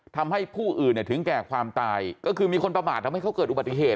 ทำให้ผู้อื่นเนี่ยถึงแก่ความตายก็คือมีคนประมาททำให้เขาเกิดอุบัติเหตุ